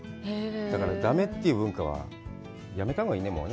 だから、だめと言う文化はやめたほうがいいね、もう。